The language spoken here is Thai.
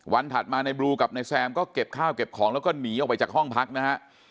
ถัดมาในบลูกับนายแซมก็เก็บข้าวเก็บของแล้วก็หนีออกไปจากห้องพักนะฮะ